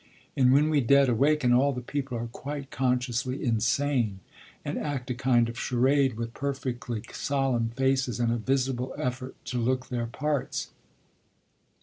In When we Dead Awaken all the people are quite consciously insane, and act a kind of charade with perfectly solemn faces and a visible effort to look their parts.